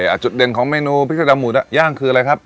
จุดเด่นของเมนูพริกดำหมูดย่างคืออะไรครับ